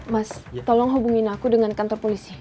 mas tolong hubungin aku dengan kantor polisi